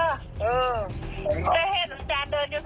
อาจารย์มีคนได้ไปรางวัลที่๑แหละ